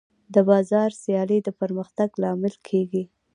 د بازار سیالي د پرمختګ لامل کېږي.